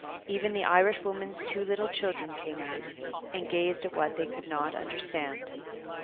Even the Irishwoman's two little children came out and gazed at what they could not understand.